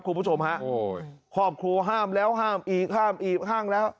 คุณผู้ชมฮะโอ้ยครอบครัวห้ามแล้วห้ามอีกห้ามอีกห้ามแล้ว